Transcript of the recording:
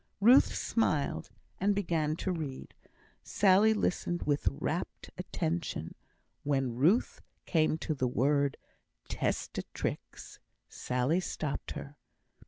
Ruth smiled, and began to read; Sally listening with rapt attention. When Ruth came to the word "testatrix," Sally stopped her.